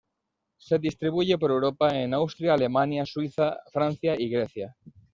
Se distribuye por Europa en Austria, Alemania, Suiza, Francia y Grecia.